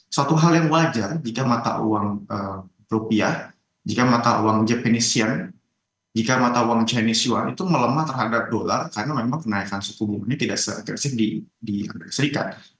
suatu hal yang wajar jika mata uang rupiah jika mata uang definition jika mata uang chinese yuan itu melemah terhadap dolar karena memang kenaikan suku bunga ini tidak se agresif di amerika serikat